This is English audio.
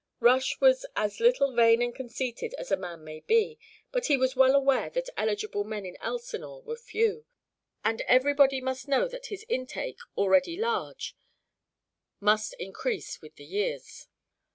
Rush was as little vain and conceited as a man may be, but he was well aware that eligible men in Elsinore were few, and that everybody must know that his intake, already large, must increase with the years.